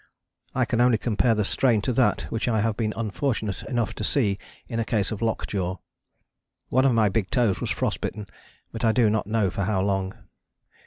I can only compare the strain to that which I have been unfortunate enough to see in a case of lock jaw. One of my big toes was frost bitten, but I do not know for how long.